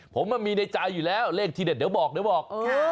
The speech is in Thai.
ผมมันมีในใจอยู่แล้วเลขทีเด็ดเดี๋ยวบอก